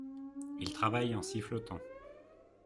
Il travaille en sifflotant…